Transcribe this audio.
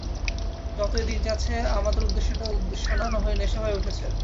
যতই দিন যাচ্ছে, আমাদের উদ্দেশ্যটা উদ্দেশ্য না হয়ে নেশা হয়ে উঠছে।